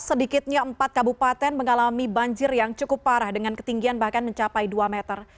sedikitnya empat kabupaten mengalami banjir yang cukup parah dengan ketinggian bahkan mencapai dua meter